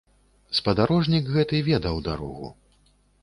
Спадарожнік гэты ведаў дарогу.